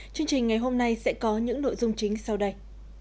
chương trình ngày hôm nay sẽ có những nội dung chính sau đây